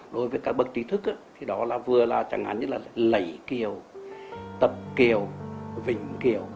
đối với các bậc trí thức thì đó là vừa là chẳng hạn như là lẩy kiều tập kiều vỉnh kiều